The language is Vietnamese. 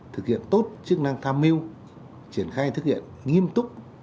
thực hiện tốt chức năng tham mưu triển khai thực hiện nghiêm túc